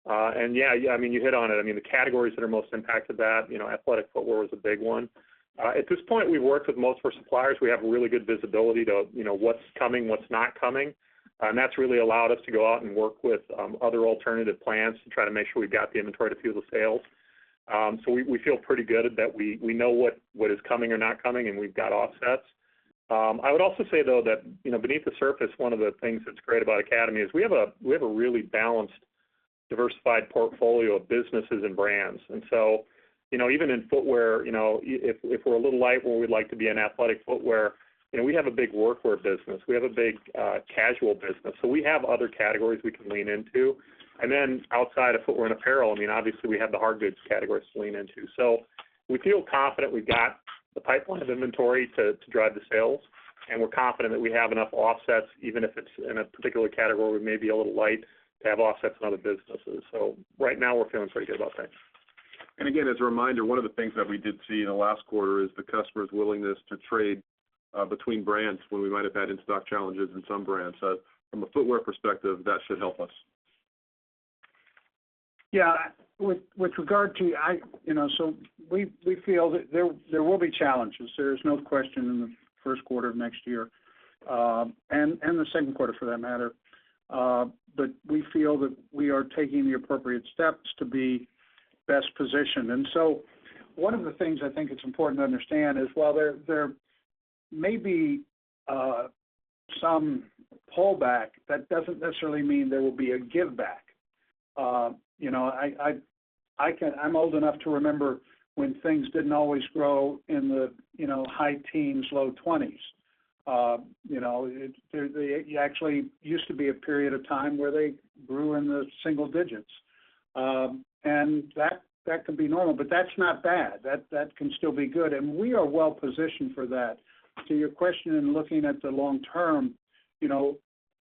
And yeah, I mean, you hit on it. I mean, the categories that are most impacted that, you know, athletic footwear was a big one. At this point, we've worked with most of our suppliers. We have a really good visibility to, you know, what's coming, what's not coming, and that's really allowed us to go out and work with other alternative plans to try to make sure we've got the inventory to fuel the sales. We feel pretty good that we know what is coming or not coming, and we've got offsets. I would also say, though, that, you know, beneath the surface, one of the things that's great about Academy is we have a really balanced, diversified portfolio of businesses and brands. You know, even in footwear, you know, if we're a little light where we'd like to be in athletic footwear, you know, we have a big workwear business. We have a big casual business. We have other categories we can lean into. Outside of footwear and apparel, I mean, obviously, we have the hard goods categories to lean into. We feel confident we've got the pipeline of inventory to drive the sales, and we're confident that we have enough offsets, even if it's in a particular category where we may be a little light to have offsets in other businesses. Right now, we're feeling pretty good about things. Again, as a reminder, one of the things that we did see in the last quarter is the customer's willingness to trade between brands when we might have had in-stock challenges in some brands. From a footwear perspective, that should help us. Yeah. You know, we feel that there will be challenges, there is no question, in the first quarter of next year and the second quarter for that matter. We feel that we are taking the appropriate steps to be best positioned. One of the things I think it's important to understand is while there may be some pullback, that doesn't necessarily mean there will be a give back. I'm old enough to remember when things didn't always grow in the high teens, low 20s. You know, it actually used to be a period of time where they grew in the single digits. That could be normal, but that's not bad. That can still be good, and we are well positioned for that. To your question in looking at the long term, you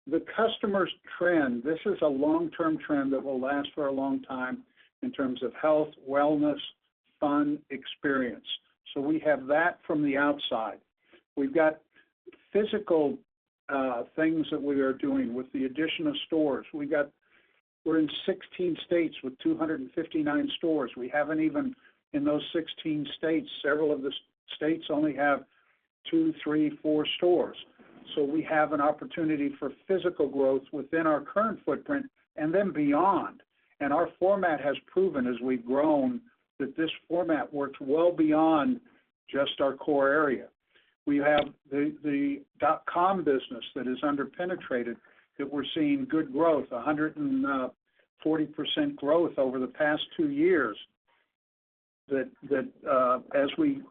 know, the customer's trend, this is a long-term trend that will last for a long time in terms of health, wellness, fun, experience. We have that from the outside. We've got physical things that we are doing with the addition of stores. We're in 16 states with 259 stores. We haven't even. In those 16 states, several of the states only have 2, 3, 4 stores. We have an opportunity for physical growth within our current footprint and then beyond. Our format has proven, as we've grown, that this format works well beyond just our core area. We have the that is under-penetrated, that we're seeing good growth, 140% growth over the past two years that as we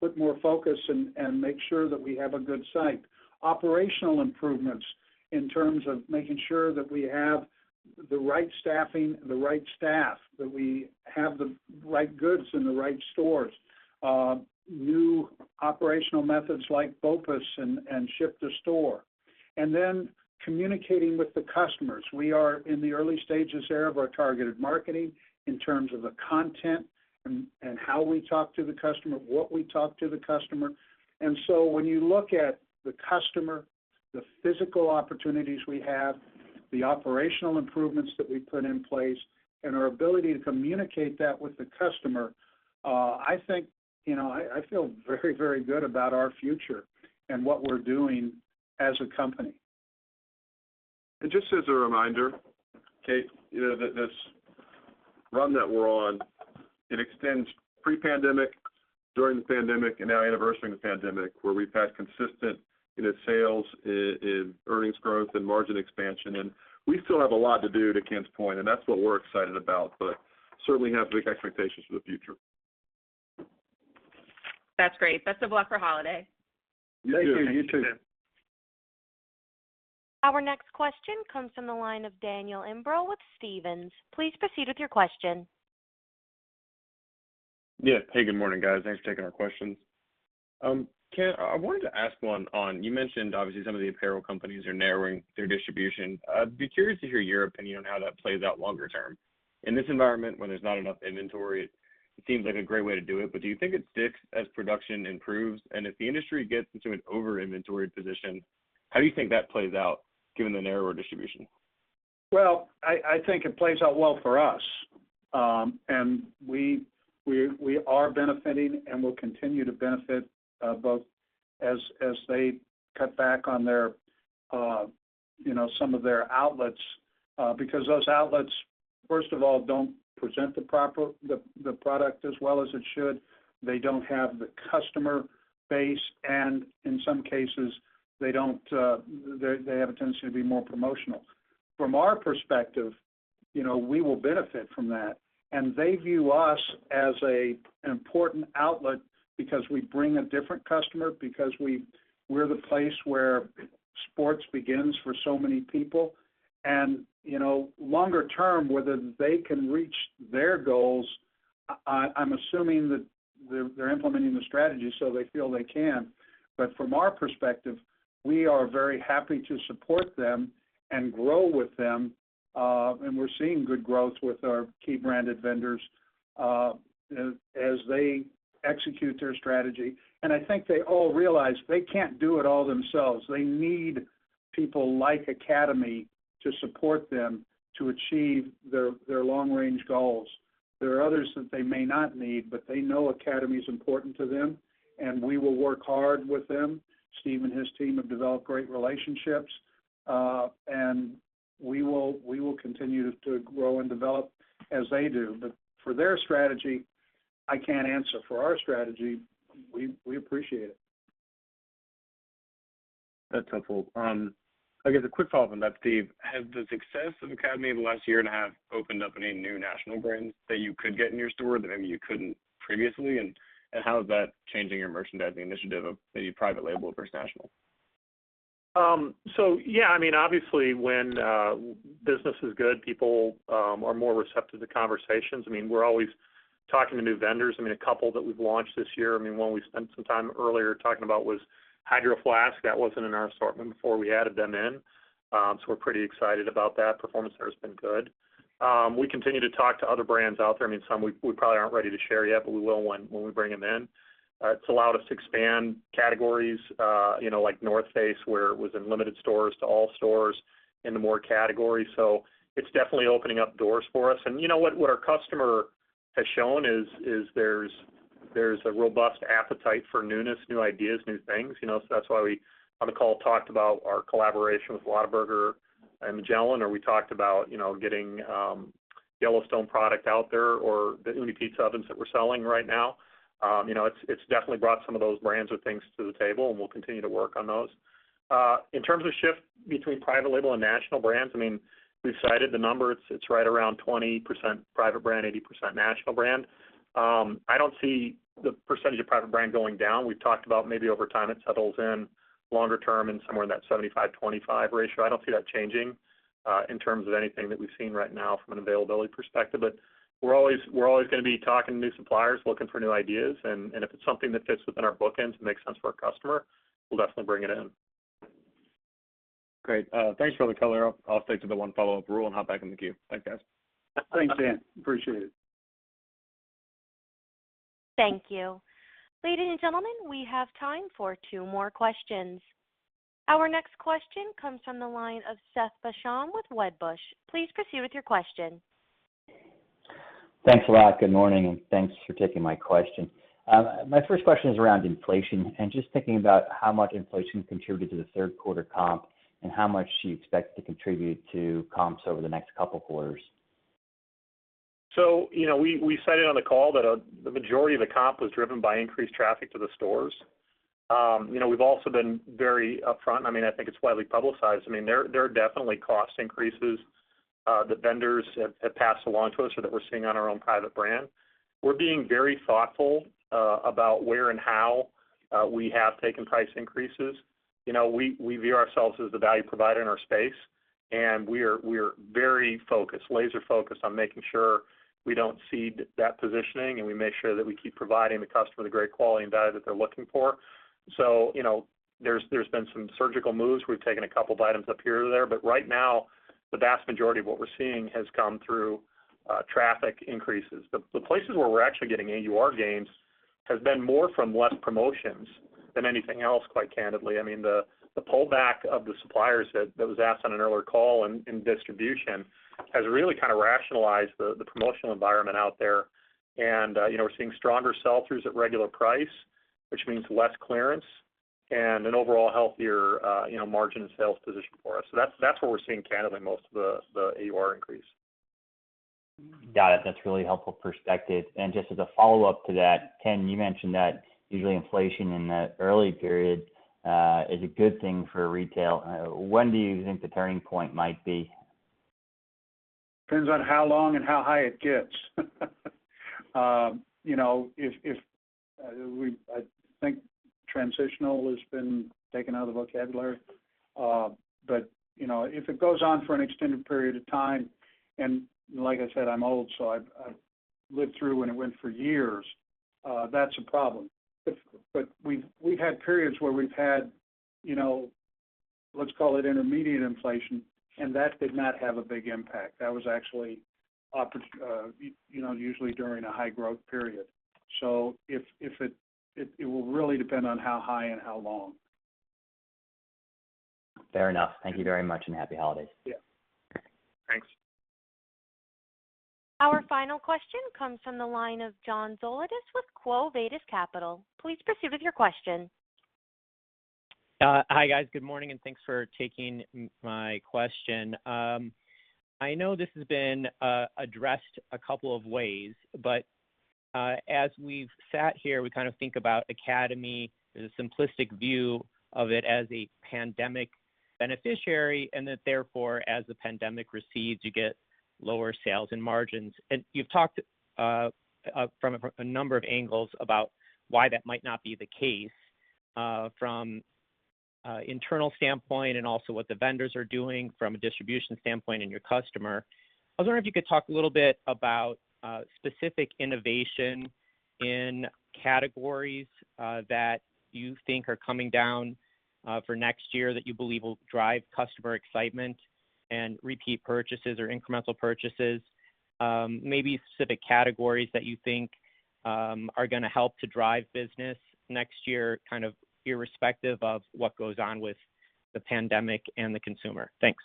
put more focus and make sure that we have a good site. Operational improvements in terms of making sure that we have the right staffing, the right staff, that we have the right goods in the right stores, new operational methods like BOPUS and Ship to Store, communicating with the customers. We are in the early stages there of our targeted marketing in terms of the content and how we talk to the customer, what we talk to the customer. When you look at the customer, the physical opportunities we have, the operational improvements that we've put in place, and our ability to communicate that with the customer, I think, you know, I feel very, very good about our future and what we're doing as a company. Just as a reminder, Kate, you know, that this run that we're on, it extends pre-pandemic, during the pandemic, and now anniversarying the pandemic, where we've had consistent in the sales and in earnings growth and margin expansion, and we still have a lot to do to Ken's point, and that's what we're excited about, but certainly have big expectations for the future. That's great. Best of luck for holiday. Thank you. You too. You too. Our next question comes from the line of Daniel Imbro with Stephens. Please proceed with your question. Yeah. Hey, good morning, guys. Thanks for taking our questions. Ken, I wanted to ask one on. You mentioned, obviously, some of the apparel companies are narrowing their distribution. I'd be curious to hear your opinion on how that plays out longer term. In this environment, when there's not enough inventory, it seems like a great way to do it, but do you think it sticks as production improves? If the industry gets into an over-inventoried position, how do you think that plays out given the narrower distribution? Well, I think it plays out well for us. We are benefiting and will continue to benefit both as they cut back on their you know some of their outlets because those outlets, first of all, don't present the proper product as well as it should. They don't have the customer base, and in some cases, they have a tendency to be more promotional. From our perspective, you know, we will benefit from that. They view us as an important outlet because we bring a different customer, because we're the place where sports begins for so many people. You know, longer term, whether they can reach their goals, I'm assuming that they're implementing the strategy so they feel they can. From our perspective, we are very happy to support them and grow with them. We're seeing good growth with our key branded vendors, as they execute their strategy. I think they all realize they can't do it all themselves. They need people like Academy to support them to achieve their long-range goals. There are others that they may not need, but they know Academy is important to them, and we will work hard with them. Steve and his team have developed great relationships, and we will continue to grow and develop as they do. For their strategy, I can't answer. For our strategy, we appreciate it. That's helpful. I guess a quick follow-up on that, Steve. Has the success of Academy in the last year and a half opened up any new national brands that you could get in your store that maybe you couldn't previously? And how is that changing your merchandising initiative of maybe private label versus national? Yeah, I mean, obviously when business is good, people are more receptive to conversations. I mean, we're always talking to new vendors. I mean, a couple that we've launched this year, I mean, one we spent some time earlier talking about was Hydro Flask. That wasn't in our assortment before we added them in. We're pretty excited about that. Performance there has been good. We continue to talk to other brands out there. I mean, some we probably aren't ready to share yet, but we will when we bring them in. It's allowed us to expand categories, you know, like The North Face, where it was in limited stores to all stores into more categories. It's definitely opening up doors for us. You know what our customer has shown is there's a robust appetite for newness, new ideas, new things, you know. That's why we on the call talked about our collaboration with Whataburger and Magellan, or we talked about, you know, getting Yellowstone product out there or the Ooni pizza ovens that we're selling right now. You know, it's definitely brought some of those brands or things to the table, and we'll continue to work on those. In terms of shift between private label and national brands, I mean, we've cited the number. It's right around 20% private brand, 80% national brand. I don't see the percentage of private brand going down. We've talked about maybe over time it settles in longer term and somewhere in that 75/25 ratio. I don't see that changing, in terms of anything that we've seen right now from an availability perspective. We're always gonna be talking to new suppliers, looking for new ideas, and if it's something that fits within our bookends and makes sense for our customer, we'll definitely bring it in. Great. Thanks for all the color. I'll stick to the one follow-up rule and hop back in the queue. Thanks, guys. Thanks, Dan. Appreciate it. Thank you. Ladies and gentlemen, we have time for two more questions. Our next question comes from the line of Seth Basham with Wedbush. Please proceed with your question. Thanks a lot. Good morning, and thanks for taking my question. My first question is around inflation and just thinking about how much inflation contributed to the third quarter comp and how much do you expect to contribute to comps over the next couple quarters? You know, we cited on the call that the majority of the comp was driven by increased traffic to the stores. You know, we've also been very upfront. I mean, I think it's widely publicized. I mean, there are definitely cost increases that vendors have passed along to us or that we're seeing on our own private brand. We're being very thoughtful about where and how we have taken price increases. You know, we view ourselves as the value provider in our space, and we are very focused, laser focused on making sure we don't cede that positioning, and we make sure that we keep providing the customer the great quality and value that they're looking for. You know, there's been some surgical moves. We've taken a couple of items up here or there. Right now, the vast majority of what we're seeing has come through traffic increases. The places where we're actually getting AUR gains has been more from less promotions than anything else, quite candidly. I mean, the pullback of the suppliers that was asked on an earlier call and distribution has really kind of rationalized the promotional environment out there. You know, we're seeing stronger sell-throughs at regular price. Which means less clearance and an overall healthier margin sales position for us. So that's where we're seeing candidly most of the AUR increase. Got it. That's really helpful perspective. Just as a follow-up to that, Ken, you mentioned that usually inflation in the early period is a good thing for retail. When do you think the turning point might be? Depends on how long and how high it gets. You know, I think transitional has been taken out of the vocabulary, but you know, if it goes on for an extended period of time, and like I said, I'm old, so I've lived through when it went for years, that's a problem. But we've had periods where we've had you know, let's call it intermediate inflation, and that did not have a big impact. That was actually you know, usually during a high growth period. If it will really depend on how high and how long. Fair enough. Thank you very much, and Happy Holidays. Yeah. Thanks. Our final question comes from the line of John Zolidis with Quo Vadis Capital. Please proceed with your question. Hi, guys. Good morning, and thanks for taking my question. I know this has been addressed a couple of ways, but as we've sat here, we kind of think about Academy as a simplistic view of it as a pandemic beneficiary, and that therefore as the pandemic recedes, you get lower sales and margins. You've talked from a number of angles about why that might not be the case from an internal standpoint and also what the vendors are doing from a distribution standpoint and your customer. I was wondering if you could talk a little bit about specific innovation in categories that you think are coming down for next year that you believe will drive customer excitement and repeat purchases or incremental purchases. Maybe specific categories that you think are gonna help to drive business next year, kind of irrespective of what goes on with the pandemic and the consumer? Thanks.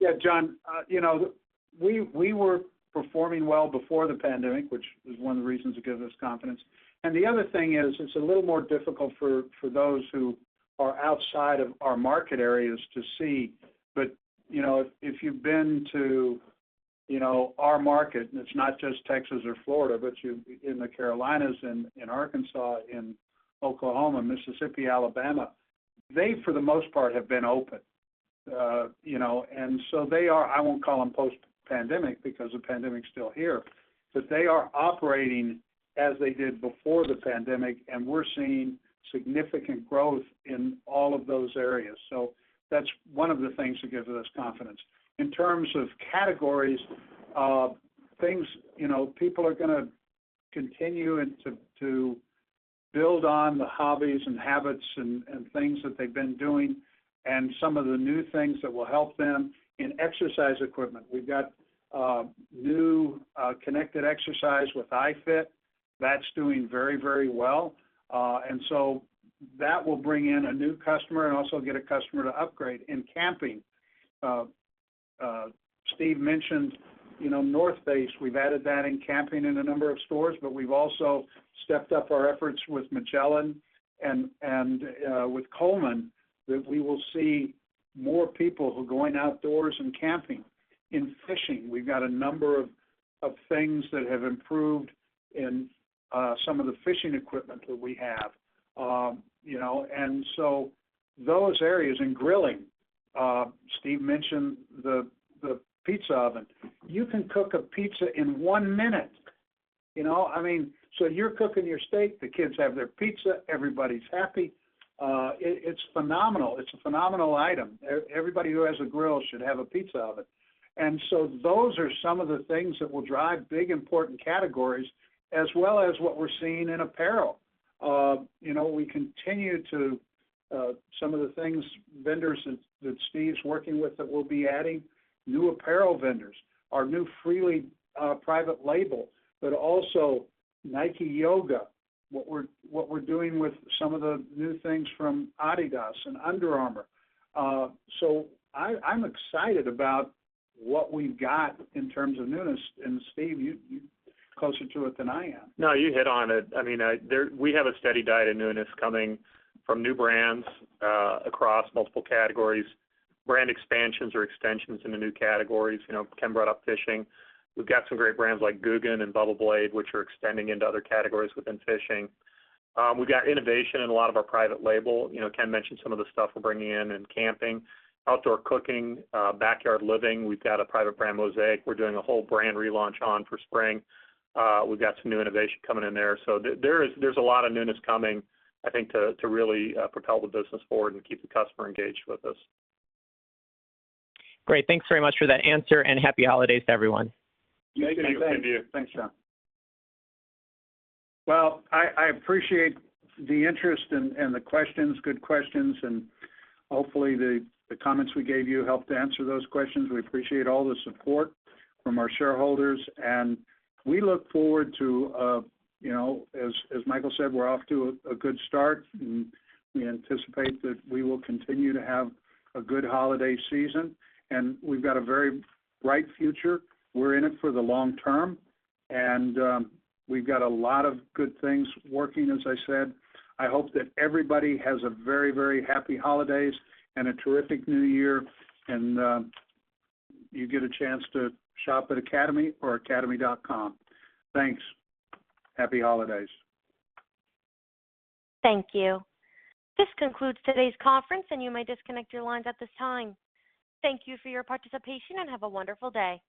Yeah, John, you know, we were performing well before the pandemic, which was one of the reasons that gives us confidence. The other thing is, it's a little more difficult for those who are outside of our market areas to see, but you know, if you've been to, you know, our market, and it's not just Texas or Florida, but in the Carolinas, in Arkansas, in Oklahoma, Mississippi, Alabama, they, for the most part, have been open. You know, they are, I won't call them post-pandemic because the pandemic's still here, but they are operating as they did before the pandemic and we're seeing significant growth in all of those areas. That's one of the things that gives us confidence. In terms of categories, things. You know, people are gonna continue to build on the hobbies and habits and things that they've been doing and some of the new things that will help them. In exercise equipment, we've got new connected exercise with iFIT. That's doing very, very well. That will bring in a new customer and also get a customer to upgrade. In camping, Steve mentioned, you know, The North Face. We've added that in camping in a number of stores, but we've also stepped up our efforts with Magellan and with Coleman that we will see more people who are going outdoors and camping. In fishing, we've got a number of things that have improved in some of the fishing equipment that we have. You know, those areas. In grilling, Steve mentioned the pizza oven. You can cook a pizza in one minute, you know? I mean, you're cooking your steak, the kids have their pizza, everybody's happy. It's phenomenal. It's a phenomenal item. Everybody who has a grill should have a pizza oven. Those are some of the things that will drive big, important categories, as well as what we're seeing in apparel. You know, we continue to some of the things vendors that Steve's working with that we'll be adding, new apparel vendors. Our new Freely private label, but also Nike Yoga, what we're doing with some of the new things from adidas and Under Armour. I'm excited about what we've got in terms of newness and Steve, you closer to it than I am. No, you hit on it. I mean, we have a steady diet of newness coming from new brands across multiple categories, brand expansions or extensions into new categories. You know, Ken brought up fishing. We've got some great brands like Googan and Bubba Blade, which are extending into other categories within fishing. We've got innovation in a lot of our private label. You know, Ken mentioned some of the stuff we're bringing in camping. Outdoor cooking, backyard living, we've got a private brand Mosaic we're doing a whole brand relaunch on for spring. We've got some new innovation coming in there. So there is a lot of newness coming, I think to really propel the business forward and keep the customer engaged with us. Great. Thanks very much for that answer, and Happy Holidays to everyone. Thank you. Thank you. Thanks, John. Well, I appreciate the interest and the questions, good questions, and hopefully the comments we gave you helped to answer those questions. We appreciate all the support from our shareholders, and we look forward to, as Michael said, we're off to a good start. We anticipate that we will continue to have a good holiday season, and we've got a very bright future. We're in it for the long term, and we've got a lot of good things working, as I said. I hope that everybody has a very happy holidays and a terrific new year, and you get a chance to shop at Academy or academy.com. Thanks. Happy Holidays. Thank you. This concludes today's conference, and you may disconnect your lines at this time. Thank you for your participation, and have a wonderful day.